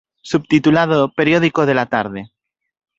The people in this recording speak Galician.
Subtitulado "Periódico de la tarde.